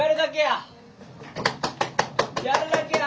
やるだけや！